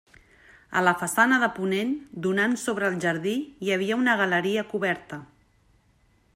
A la façana de ponent, donant sobre el jardí, hi havia una galeria coberta.